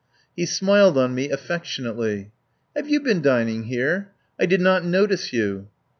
He smiled on me affectionately. "Have you been dining here? I did not no tice you."